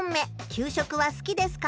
「給食は好きですか？」。